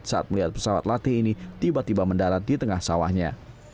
saat melihat pesawat latih ini tiba tiba mendarat di tengah sawahnya